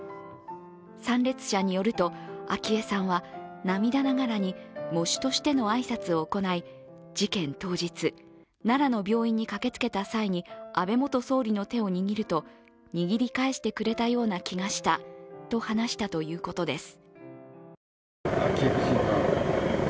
参列者によると昭恵さんは涙ながらに喪主としての挨拶を行い事件当日、奈良の病院に駆けつけた際に安倍元総理の手を握ると、握り返してくれたような気がしたと話したということです。